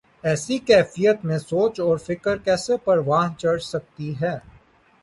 ایسی کیفیت میں سوچ اور فکر کیسے پروان چڑھ سکتی ہے۔